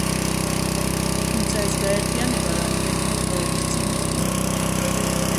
თუმცა ეს გაერთიანება რამდენიმე თაობის წინ მოხდა.